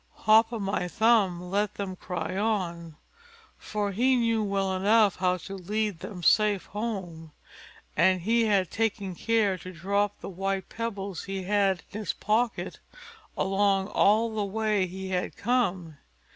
Hop o' my thumb let them cry on, for he knew well enough how to lead them safe home, an he had taken care to drop the white pebbles he had in his pocket along all the way he had come.